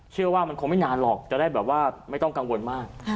เชื่อว่ามันคงไม่นานหรอกจะได้แบบว่าไม่ต้องกังวลมาก